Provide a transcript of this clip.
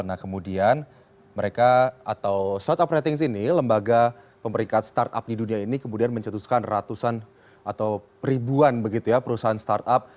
nah kemudian mereka atau startup ratings ini lembaga pemeringkat startup di dunia ini kemudian mencetuskan ratusan atau ribuan begitu ya perusahaan startup